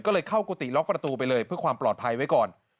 ก็เลยเข้ากุฏิล็อกประตูไปเลยเพื่อความปลอดภัยไว้ก่อน